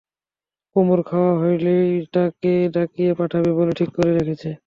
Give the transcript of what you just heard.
কুমুর খাওয়া হলেই তাকে ডাকিয়ে পাঠাবে বলে ঠিক করে রেখেছে।